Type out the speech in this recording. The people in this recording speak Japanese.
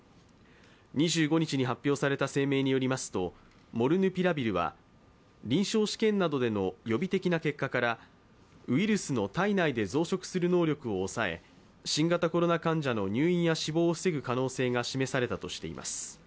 ２５日に発表された声明によりますと、モルヌピラビルは臨床試験などでの予備的な結果からウイルスの体内で増殖する能力を抑え入院や死亡を防ぐ可能性が示されたとしています。